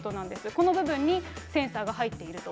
この部分にセンサーが入っていると。